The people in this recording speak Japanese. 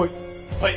はい！